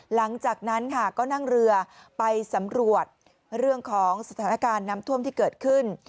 หลังจากนั้นค่ะก็นั่งเรือไปสำรวจเรื่องของสถานการณ์น้ำท่วมที่เกิดขึ้น